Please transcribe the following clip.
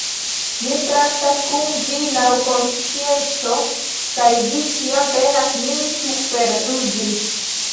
Mi traktas kun vi laŭ konscienco, kaj vi ĉiam penas min superruzi.